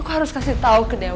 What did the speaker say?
aku harus kasih tahu ke dewa